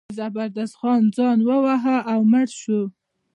چې زبردست خان ځان وواهه او مړ شو.